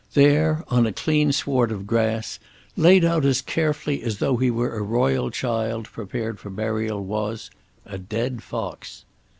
There, on a clean sward of grass, laid out as carefully as though he were a royal child prepared for burial, was a dead fox.